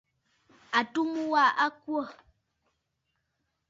Àtu mu wa a kwô.